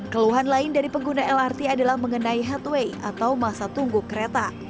keluhan lain dari pengguna lrt adalah mengenai headway atau masa tunggu kereta